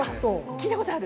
聞いたことある？